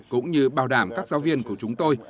cũng như bảo đảm các giáo viên của chúng tôi